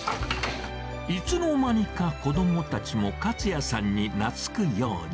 いつの間にか子どもたちも勝也さんになつくように。